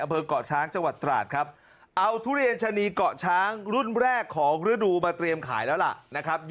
เกาะช้างจังหวัดตราดครับเอาทุเรียนชะนีเกาะช้างรุ่นแรกของฤดูมาเตรียมขายแล้วล่ะนะครับ